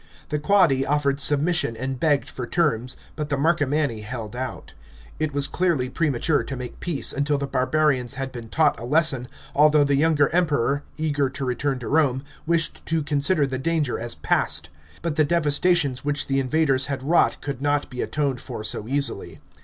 The Quadi offered submission and begged for terms; but the Marcomanni held out. It was clearly premature to make peace until the barbarians had been taught a lesion, although the younger Emperor, eager to return to Rome, wished to consider the danger as past. But the devastations which the invaders had wrought could not be atoned for so easily.